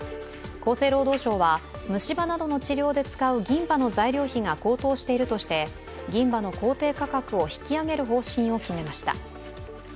厚生労働省は虫歯などの治療で使う銀歯の材料費が高騰しているとして、銀歯の公定価格を引き上げる方針を決めました。